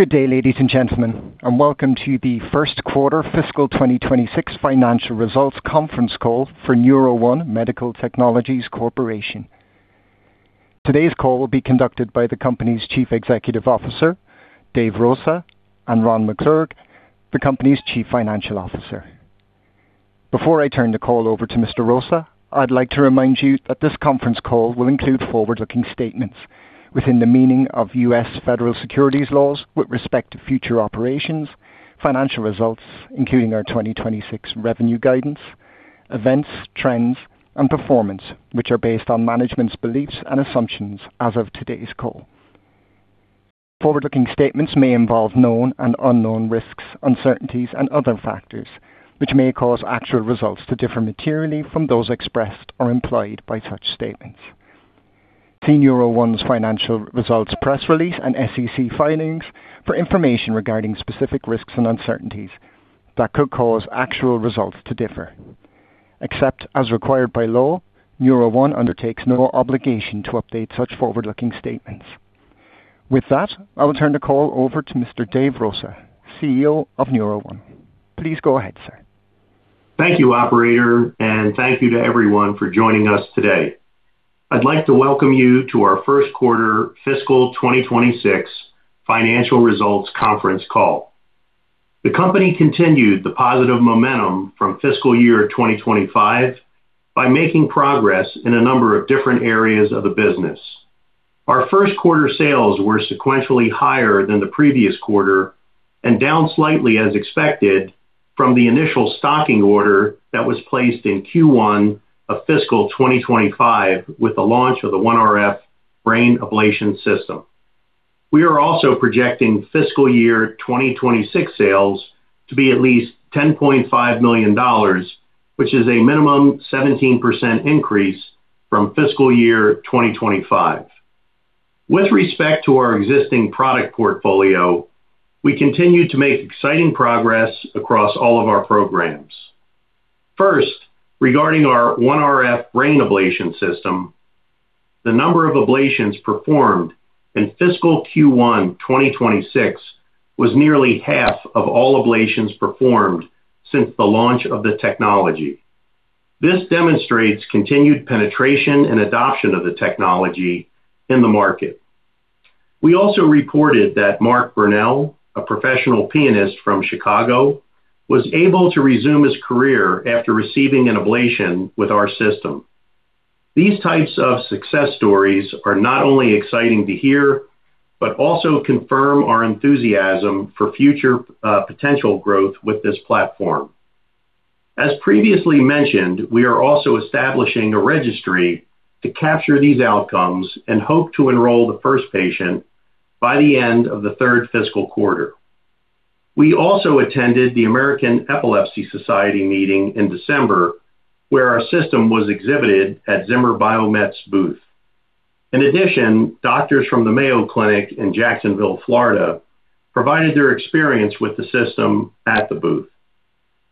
Good day, ladies and gentlemen, and welcome to the first quarter fiscal 2026 financial results conference call for NeuroOne Medical Technologies Corporation. Today's call will be conducted by the company's Chief Executive Officer, Dave Rosa, and Ron McClurg, the company's Chief Financial Officer. Before I turn the call over to Mr. Rosa, I'd like to remind you that this conference call will include forward-looking statements within the meaning of U.S. Federal securities laws with respect to future operations, financial results, including our 2026 revenue guidance, events, trends, and performance, which are based on management's beliefs and assumptions as of today's call. Forward-looking statements may involve known and unknown risks, uncertainties, and other factors, which may cause actual results to differ materially from those expressed or implied by such statements. See NeuroOne's financial results, press release, and SEC filings for information regarding specific risks and uncertainties that could cause actual results to differ. Except as required by law, NeuroOne undertakes no obligation to update such forward-looking statements. With that, I will turn the call over to Mr. Dave Rosa, CEO of NeuroOne. Please go ahead, sir. Thank you, operator, and thank you to everyone for joining us today. I'd like to welcome you to our first quarter fiscal 2026 financial results conference call. The company continued the positive momentum from fiscal year 2025 by making progress in a number of different areas of the business. Our first quarter sales were sequentially higher than the previous quarter and down slightly as expected from the initial stocking order that was placed in Q1 of fiscal 2025 with the launch of the OneRF brain ablation system. We are also projecting fiscal year 2026 sales to be at least $10.5 million, which is a minimum 17% increase from fiscal year 2025. With respect to our existing product portfolio, we continue to make exciting progress across all of our programs. First, regarding our OneRF brain ablation system, the number of ablations performed in fiscal Q1 2026 was nearly half of all ablations performed since the launch of the technology. This demonstrates continued penetration and adoption of the technology in the market. We also reported that Mark Burnell, a professional pianist from Chicago, was able to resume his career after receiving an ablation with our system. These types of success stories are not only exciting to hear, but also confirm our enthusiasm for future, potential growth with this platform. As previously mentioned, we are also establishing a registry to capture these outcomes and hope to enroll the first patient by the end of the third fiscal quarter. We also attended the American Epilepsy Society meeting in December, where our system was exhibited at Zimmer Biomet's booth. In addition, doctors from the Mayo Clinic in Jacksonville, Florida, provided their experience with the system at the booth.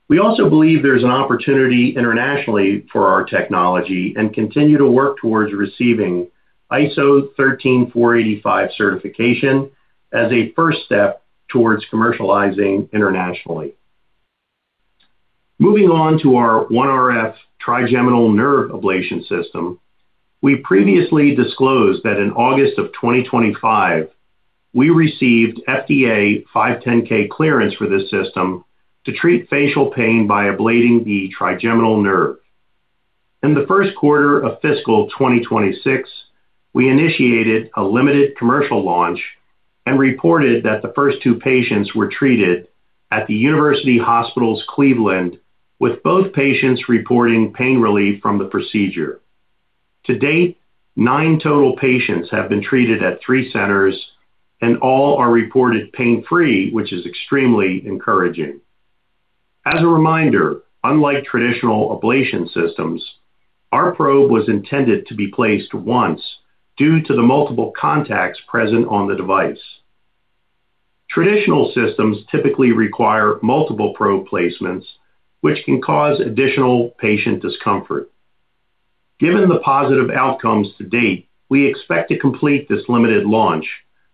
We also believe there's an opportunity internationally for our technology and continue to work towards receiving ISO 13485 certification as a first step towards commercializing internationally. Moving on to our OneRF trigeminal nerve ablation system, we previously disclosed that in August 2025, we received FDA 510(k) clearance for this system to treat facial pain by ablating the trigeminal nerve. In the first quarter of fiscal 2026, we initiated a limited commercial launch and reported that the first two patients were treated at University Hospitals Cleveland, with both patients reporting pain relief from the procedure. To date, nine total patients have been treated at three centers, and all are reported pain-free, which is extremely encouraging. As a reminder, unlike traditional ablation systems, our probe was intended to be placed once due to the multiple contacts present on the device. Traditional systems typically require multiple probe placements, which can cause additional patient discomfort. Given the positive outcomes to date, we expect to complete this limited launch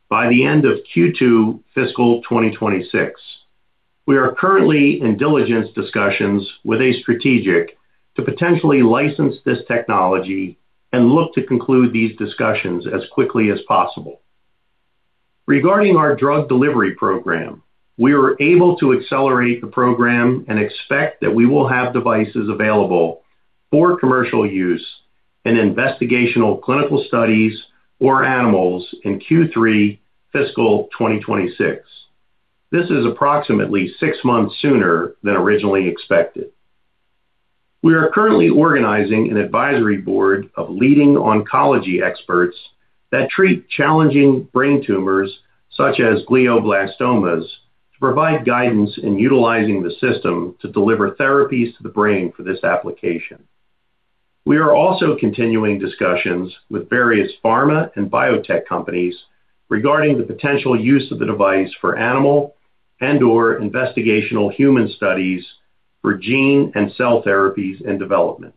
by the end of Q2 fiscal 2026. We are currently in diligence discussions with a strategic to potentially license this technology and look to conclude these discussions as quickly as possible. Regarding our drug delivery program, we were able to accelerate the program and expect that we will have devices available for commercial use in investigational clinical studies or animals in Q3 fiscal 2026. This is approximately six months sooner than originally expected. We are currently organizing an advisory board of leading oncology experts that treat challenging brain tumors, such as glioblastomas, to provide guidance in utilizing the system to deliver therapies to the brain for this application. We are also continuing discussions with various pharma and biotech companies regarding the potential use of the device for animal and/or investigational human studies for gene and cell therapies in development...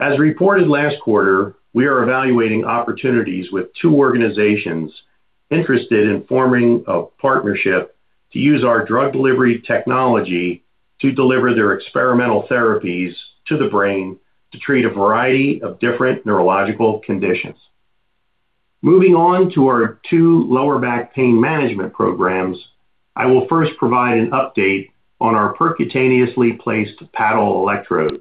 As reported last quarter, we are evaluating opportunities with two organizations interested in forming a partnership to use our drug delivery technology to deliver their experimental therapies to the brain to treat a variety of different neurological conditions. Moving on to our two lower back pain management programs, I will first provide an update on our percutaneously placed paddle electrode.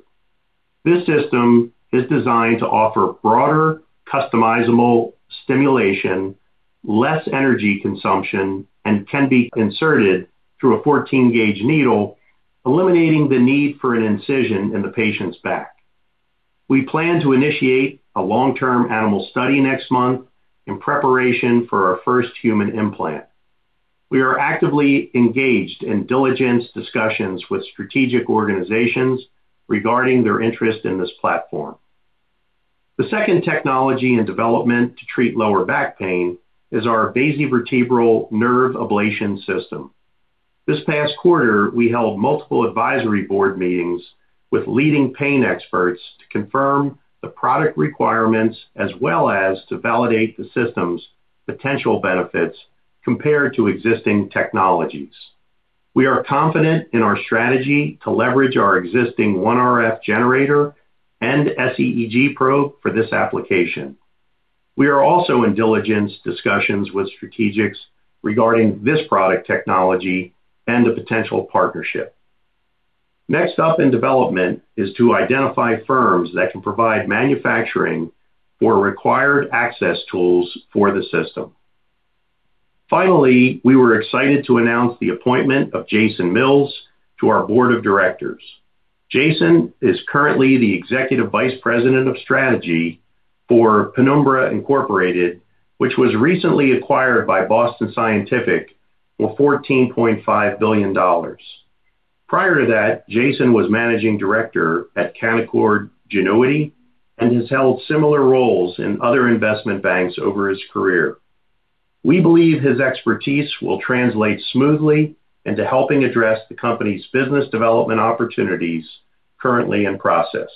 This system is designed to offer broader, customizable stimulation, less energy consumption, and can be inserted through a 14-gauge needle, eliminating the need for an incision in the patient's back. We plan to initiate a long-term animal study next month in preparation for our first human implant. We are actively engaged in diligence discussions with strategic organizations regarding their interest in this platform. The second technology and development to treat lower back pain is our basivertebral nerve ablation system. This past quarter, we held multiple advisory board meetings with leading pain experts to confirm the product requirements, as well as to validate the system's potential benefits compared to existing technologies. We are confident in our strategy to leverage our existing OneRF generator and sEEG probe for this application. We are also in diligence discussions with strategics regarding this product technology and a potential partnership. Next up in development is to identify firms that can provide manufacturing for required access tools for the system. Finally, we were excited to announce the appointment of Jason Mills to our board of directors. Jason is currently the Executive Vice President of Strategy for Penumbra, Inc., which was recently acquired by Boston Scientific for $14.5 billion. Prior to that, Jason was Managing Director at Canaccord Genuity and has held similar roles in other investment banks over his career. We believe his expertise will translate smoothly into helping address the company's business development opportunities currently in process.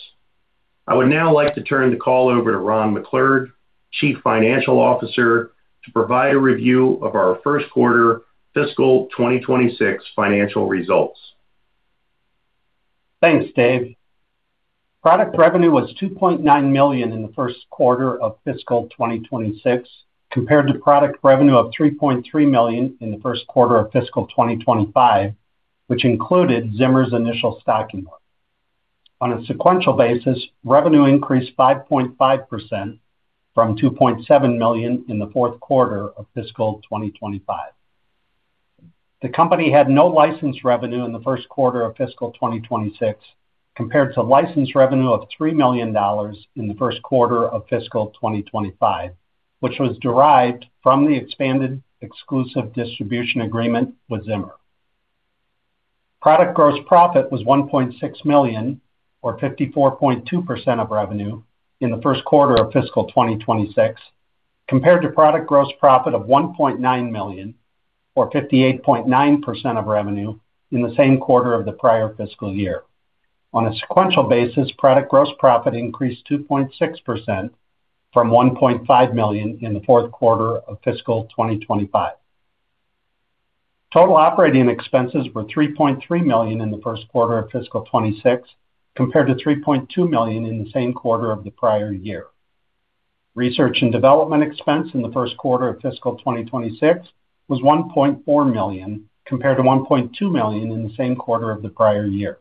I would now like to turn the call over to Ron McClurg, Chief Financial Officer, to provide a review of our first quarter fiscal 2026 financial results. Thanks, Dave. Product revenue was $2.9 million in the first quarter of fiscal 2026, compared to product revenue of $3.3 million in the first quarter of fiscal 2025, which included Zimmer's initial stocking order. On a sequential basis, revenue increased 5.5% from $2.7 million in the fourth quarter of fiscal 2025. The company had no license revenue in the first quarter of fiscal 2026, compared to license revenue of $3 million in the first quarter of fiscal 2025, which was derived from the expanded exclusive distribution agreement with Zimmer. Product gross profit was $1.6 million, or 54.2% of revenue, in the first quarter of fiscal 2026, compared to product gross profit of $1.9 million, or 58.9% of revenue, in the same quarter of the prior fiscal year. On a sequential basis, product gross profit increased 2.6% from $1.5 million in the fourth quarter of fiscal 2025. Total operating expenses were $3.3 million in the first quarter of fiscal 2026, compared to $3.2 million in the same quarter of the prior year. Research and development expense in the first quarter of fiscal 2026 was $1.4 million, compared to $1.2 million in the same quarter of the prior year.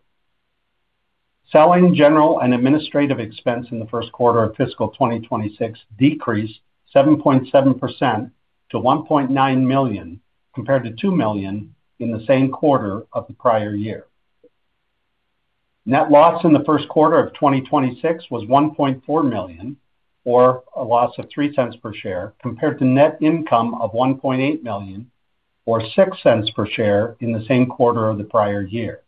Selling general and administrative expense in the first quarter of fiscal 2026 decreased 7.7% to $1.9 million, compared to $2 million in the same quarter of the prior year. Net loss in the first quarter of 2026 was $1.4 million, or a loss of $0.03 per share, compared to net income of $1.8 million, or $0.06 per share, in the same quarter of the prior year.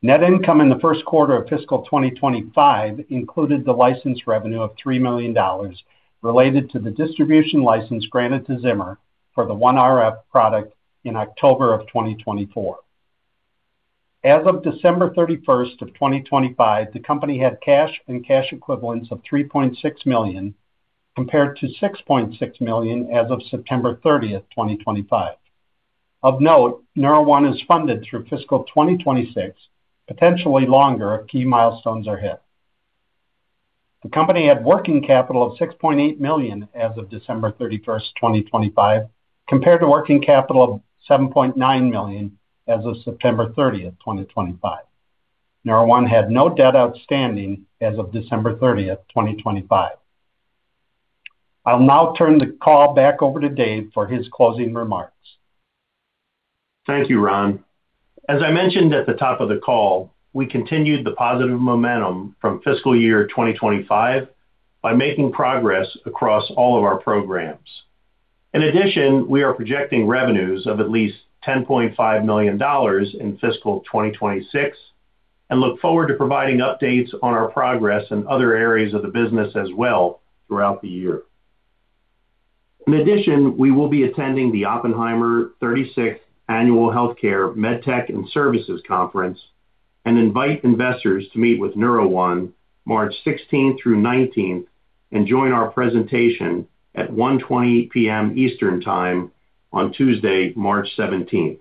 Net income in the first quarter of fiscal 2025 included the license revenue of $3 million related to the distribution license granted to Zimmer for the OneRF product in October 2024. As of December 31, 2025, the company had cash and cash equivalents of $3.6 million, compared to $6.6 million as of September 30, 2025. Of note, NeuroOne is funded through fiscal 2026, potentially longer if key milestones are hit. The company had working capital of $6.8 million as of December 31, 2025, compared to working capital of $7.9 million as of September 30, 2025. NeuroOne had no debt outstanding as of December 30, 2025. I'll now turn the call back over to Dave for his closing remarks. Thank you, Ron. As I mentioned at the top of the call, we continued the positive momentum from fiscal year 2025 by making progress across all of our programs. In addition, we are projecting revenues of at least $10.5 million in fiscal 2026, and look forward to providing updates on our progress in other areas of the business as well throughout the year. In addition, we will be attending the Oppenheimer 36th Annual Healthcare MedTech and Services Conference and invite investors to meet with NeuroOne March 16 through 19, and join our presentation at 1:20 P.M. Eastern Time on Tuesday, March 17.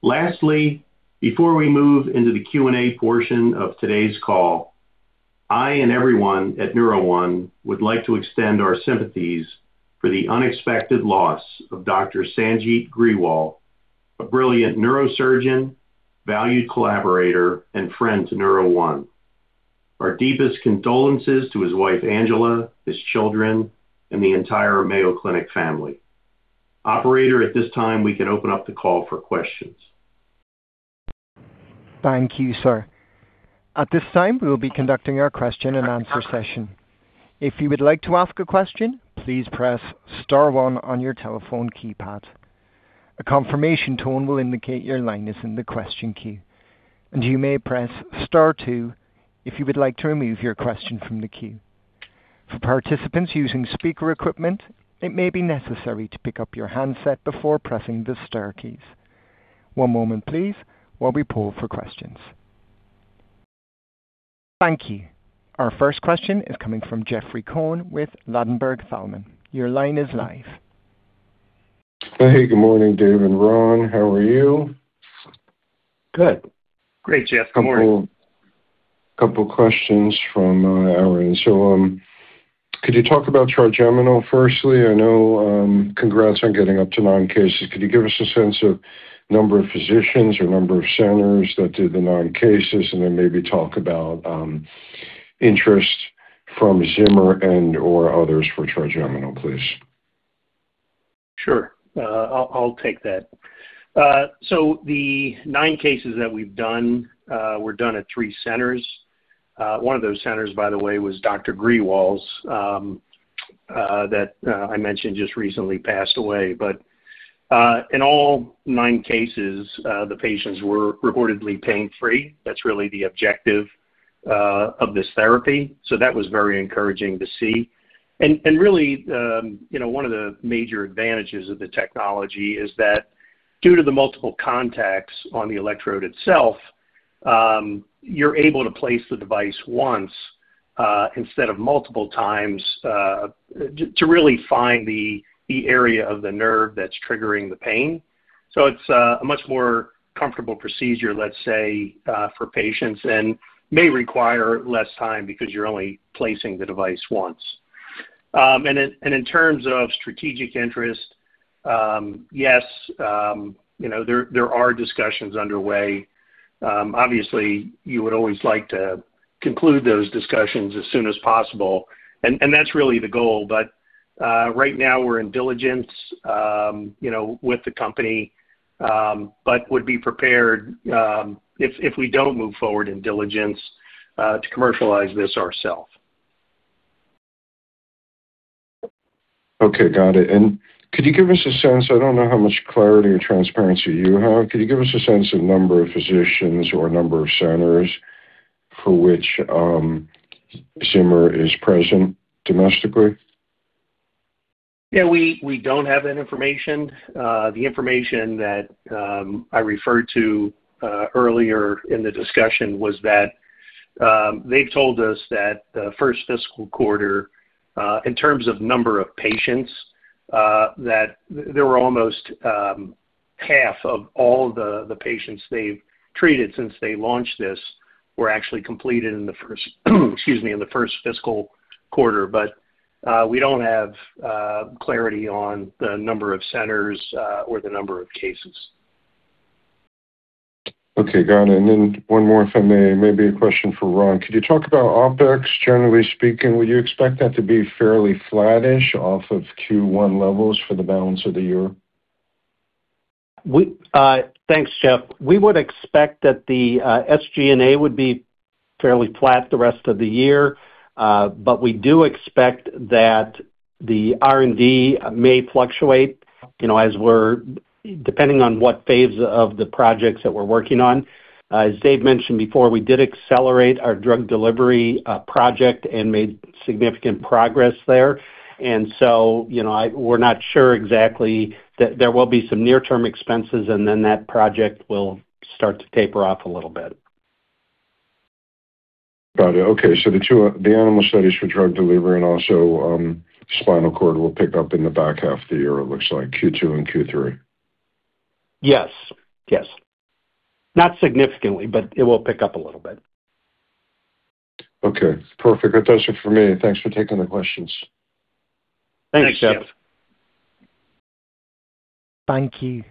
Lastly, before we move into the Q&A portion of today's call, I and everyone at NeuroOne would like to extend our sympathies for the unexpected loss of Dr. Sanjeet Grewal, a brilliant neurosurgeon, valued collaborator, and friend to NeuroOne. Our deepest condolences to his wife, Angela, his children, and the entire Mayo Clinic family. Operator, at this time, we can open up the call for questions. Thank you, sir. At this time, we will be conducting our question and answer session. If you would like to ask a question, please press star one on your telephone keypad. A confirmation tone will indicate your line is in the question queue, and you may press star two if you would like to remove your question from the queue. For participants using speaker equipment, it may be necessary to pick up your handset before pressing the star keys. One moment please, while we poll for questions. Thank you. Our first question is coming from Jeffrey Cohen with Ladenburg Thalmann. Your line is live. Hey, good morning, Dave and Ron. How are you? Good. Great, Jeff. Good morning. couple, couple questions from our end. So, could you talk about trigeminal firstly? I know, congrats on getting up to 9 cases. Could you give us a sense of number of physicians or number of centers that did the 9 cases, and then maybe talk about, interest from Zimmer and or others for trigeminal, please? Sure. I'll take that. So, the nine cases that we've done were done at three centers. One of those centers, by the way, was Dr. Grewal's, that I mentioned, just recently passed away. But in all nine cases, the patients were reportedly pain-free. That's really the objective of this therapy. So, that was very encouraging to see. And really, you know, one of the major advantages of the technology is that due to the multiple contacts on the electrode itself, you're able to place the device once, instead of multiple times, to really find the area of the nerve that's triggering the pain. So, it's a much more comfortable procedure, let's say, for patients and may require less time because you're only placing the device once. And in terms of strategic interest, yes, you know, there are discussions underway. Obviously, you would always like to conclude those discussions as soon as possible, and that's really the goal. But right now, we're in diligence, you know, with the company, but would be prepared, if we don't move forward in diligence, to commercialize this ourself. Okay, got it. And could you give us a sense... I don't know how much clarity or transparency you have. Could you give us a sense of number of physicians or number of centers for which, Zimmer is present domestically? Yeah, we don't have that information. The information that I referred to earlier in the discussion was that they've told us that the first fiscal quarter, in terms of number of patients, that there were almost half of all the patients they've treated since they launched this were actually completed in the first, excuse me, in the first fiscal quarter. But we don't have clarity on the number of centers or the number of cases. Okay, got it. And then one more, if I may. Maybe a question for Ron. Could you talk about OpEx, generally speaking, would you expect that to be fairly flat-ish off of Q1 levels for the balance of the year? Thanks, Jeff. We would expect that the SG&A would be fairly flat the rest of the year. But we do expect that the R&D may fluctuate, you know, as we're depending on what phase of the projects that we're working on. As Dave mentioned before, we did accelerate our drug delivery project and made significant progress there. And so, you know, we're not sure exactly. There will be some near-term expenses, and then that project will start to taper off a little bit. Got it. Okay, so the two, the animal studies for drug delivery and also, spinal cord will pick up in the back half of the year. It looks like Q2 and Q3. Yes, yes. Not significantly, but it will pick up a little bit. Okay, perfect. That's it for me. Thanks for taking the questions. Thanks, Jeff. Thanks, Jeff. Thank you.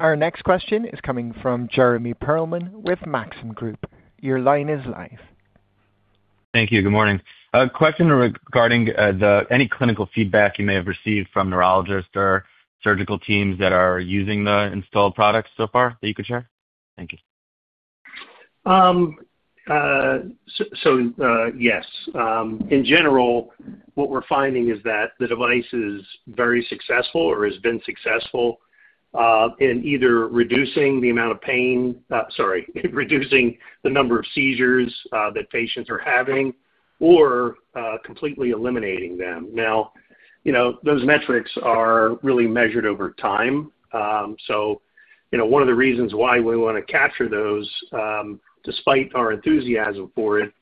Our next question is coming from Jeremy Pearlman with Maxim Group. Your line is live. Thank you. Good morning. A question regarding any clinical feedback you may have received from neurologists or surgical teams that are using the installed products so far that you could share? Thank you. Yes. In general, what we're finding is that the device is very successful or has been successful in either reducing the amount of pain, sorry, reducing the number of seizures that patients are having or completely eliminating them. Now, you know, those metrics are really measured over time. So, you know, one of the reasons why we want to capture those, despite our enthusiasm for it,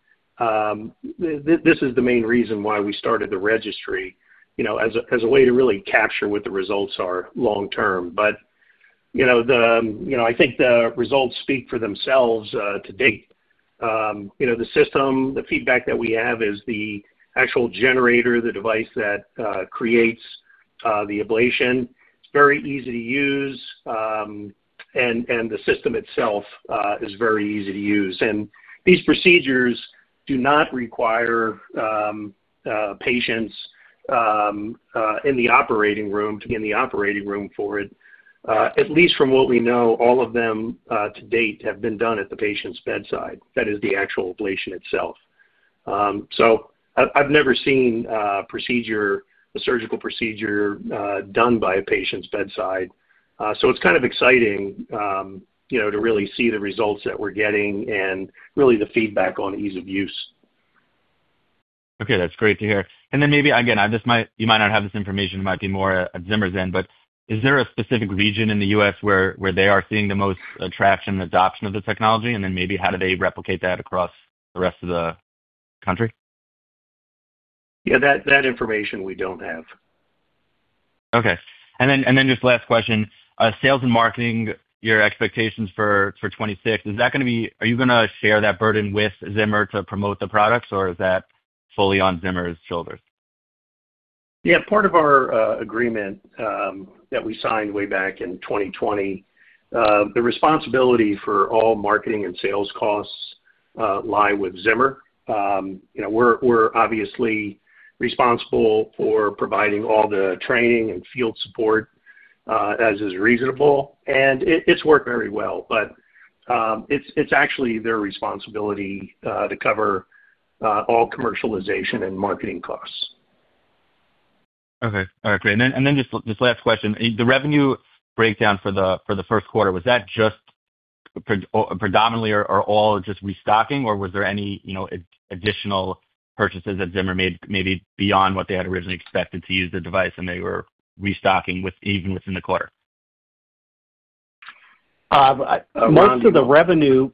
this is the main reason why we started the registry, you know, as a way to really capture what the results are long term. But, you know, you know, I think the results speak for themselves to date. You know, the system, the feedback that we have is the actual generator, the device that creates the ablation. It's very easy to use, and the system itself is very easy to use. These procedures do not require patients in the operating room to be in the operating room for it. At least from what we know, all of them to date have been done at the patient's bedside. That is the actual ablation itself. So, I've never seen a procedure, a surgical procedure, done by a patient's bedside. So, it's kind of exciting, you know, to really see the results that we're getting and really the feedback on ease of use. Okay, that's great to hear. And then maybe, again, I just might, you might not have this information, it might be more at Zimmer than, but is there a specific region in the U.S. where they are seeing the most attraction and adoption of the technology? And then maybe how do they replicate that across the rest of the country? Yeah, that information we don't have. Okay. And then just last question. Sales and marketing, your expectations for 2026, is that gonna be... Are you gonna share that burden with Zimmer to promote the products, or is that fully on Zimmer's shoulders? Yeah, part of our agreement that we signed way back in 2020, the responsibility for all marketing and sales costs lie with Zimmer. You know, we're obviously responsible for providing all the training and field support as is reasonable, and it's worked very well, but it's actually their responsibility to cover all commercialization and marketing costs. Okay. All right, great. And then just last question. The revenue breakdown for the first quarter, was that just predominantly or all just restocking, or was there any, you know, additional purchases that Zimmer made, maybe beyond what they had originally expected to use the device and they were restocking with, even within the quarter? Most of the revenue-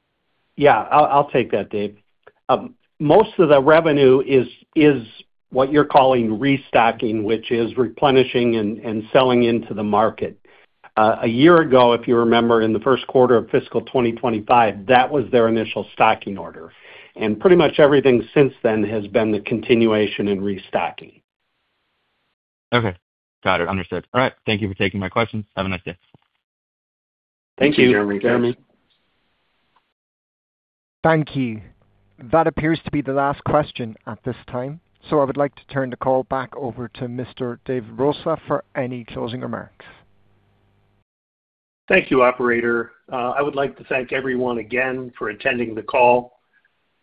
Yeah, I'll, I'll take that, Dave. Most of the revenue is, is what you're calling restocking, which is replenishing and, and selling into the market. A year ago, if you remember, in the first quarter of fiscal 2025, that was their initial stocking order, and pretty much everything since then has been the continuation and restocking. Okay. Got it. Understood. All right. Thank you for taking my questions. Have a nice day. Thank you, Jeremy. Thank you, Jeremy. Thank you. That appears to be the last question at this time, so, I would like to turn the call back over to Mr. David Rosa for any closing remarks. Thank you, operator. I would like to thank everyone again for attending the call,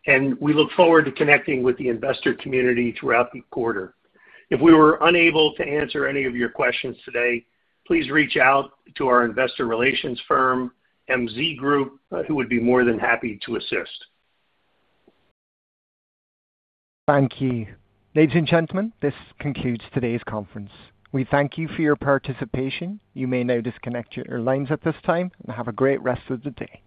and we look forward to connecting with the investor community throughout the quarter. If we were unable to answer any of your questions today, please reach out to our investor relations firm, MZ Group, who would be more than happy to assist. Thank you. Ladies and gentlemen, this concludes today's conference. We thank you for your participation. You may now disconnect your lines at this time and have a great rest of the day.